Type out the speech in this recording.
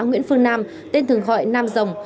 nguyễn phương nam tên thường gọi nam rồng